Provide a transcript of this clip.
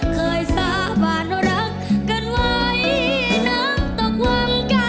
ครั้งจะท้องปกติ